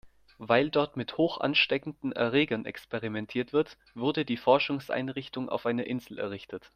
Weil dort mit hochansteckenden Erregern experimentiert wird, wurde die Forschungseinrichtung auf einer Insel errichtet.